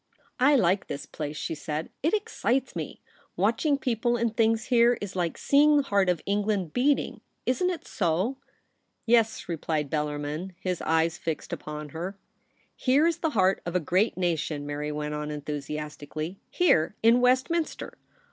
' I like this place,' she said. ' It excites me. Watching people and things here is like seeing the heart of England beating. Isn't it so ?'' Yes,' replied Bellarmin, his eyes fixed upon her. * Here is the heart of a crreat nation,' Mary went on enthusiastically ;' here, in West minster.